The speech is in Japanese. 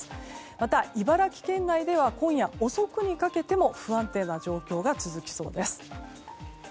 また、茨城県内では今夜遅くにかけても不安定な状況が続きそうです。